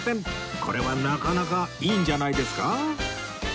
これはなかなかいいんじゃないですか？